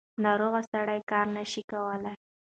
ناروغه سړی کار نشي کولی.